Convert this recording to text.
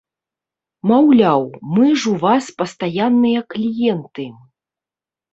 Маўляў, мы ж у вас пастаянныя кліенты!